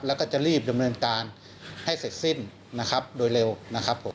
แล้วก็จะรีบดำเนินการให้เสร็จสิ้นนะครับโดยเร็วนะครับผม